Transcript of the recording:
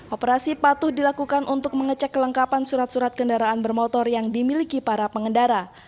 operasi patuh dilakukan untuk mengecek kelengkapan surat surat kendaraan bermotor yang dimiliki para pengendara